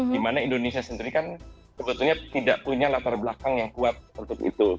dimana indonesia sendiri kan sebetulnya tidak punya latar belakang yang kuat untuk itu